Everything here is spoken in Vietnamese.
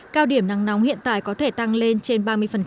cao điểm nắng nóng hiện tại có thể tăng lên trên ba mươi